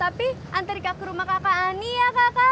antar heels kakak ya